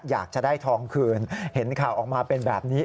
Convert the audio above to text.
อยากจะได้ทองคืนเห็นข่าวออกมาเป็นแบบนี้